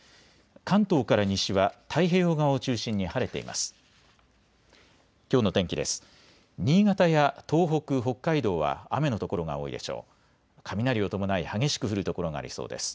関東から西は太平洋側を中心に晴れています。